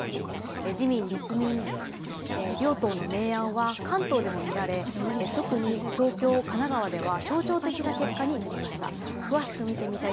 自民、立民両党の明暗は関東でも見られ、特に東京、神奈川では象徴的な結果になりました。